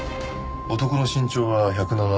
男の身長は１７０センチ。